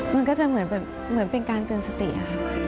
มันก็จะเหมือนเป็นการเตือนสติอะ